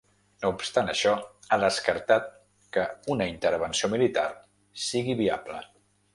No obstant això, ha descartat que una intervenció militar sigui viable.